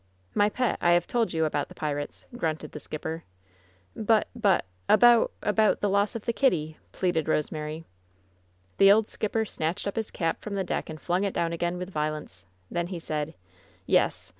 ^*My pet, I have told you about the pirates,"" grunted the skipper. "But — ^but — about — about — the loss of the Kitty/' pleaded Rosemary. The old skipper snatched up his cap from the deck and flung it down again with violence. Then he said: "Yes!